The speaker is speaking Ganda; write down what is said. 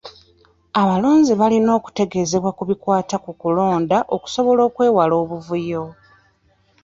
Abalonzi balina okutegeezebwa ku bikwata ku kulonda okusobola okwewala obuvuyo.